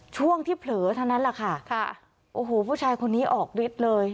ช่วงที่เผลอเท่านั้นแหละค่ะโอ้โหผู้ชายคนนี้ออกฤทธิ์เลย